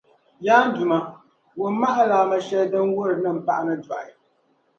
Yaa n Duuma! Wuhimi ma alaama shεli din wuhiri ni m paɣani dɔɣi